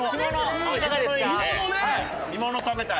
干物食べたい。